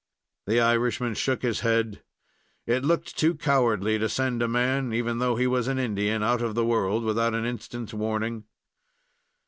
The Irishman shook his head. It looked too cowardly to send a man, even though he were an Indian, out of the world without an instant's warning.